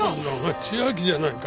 千秋じゃないか。